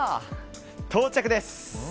到着です。